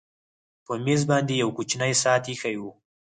په مېز باندې یو کوچنی ساعت ایښی و